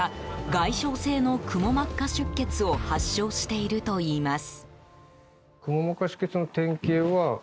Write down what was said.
外傷性のくも膜下出血を発症しているといいます。